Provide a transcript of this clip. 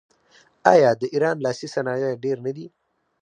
آیا د ایران لاسي صنایع ډیر نه دي؟